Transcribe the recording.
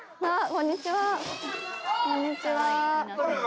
こんにちは。